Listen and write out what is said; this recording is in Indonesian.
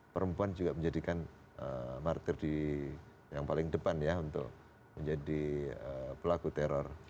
perempuan juga menjadikan martir yang paling depan ya untuk menjadi pelaku teror